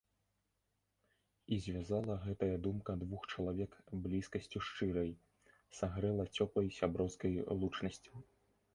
І звязала гэтая думка двух чалавек блізкасцю шчырай, сагрэла цёплай сяброўскай лучнасцю.